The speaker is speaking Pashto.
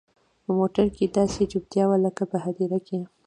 په موټر کښې داسې چوپتيا وه لكه په هديره کښې.